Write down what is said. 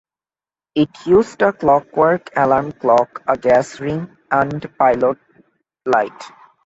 It used a clockwork alarm clock, a gas ring and pilot light.